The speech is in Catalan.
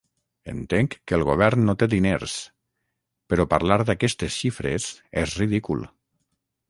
Entenc que el govern no té diners, però parlar d’aquestes xifres és ridícul.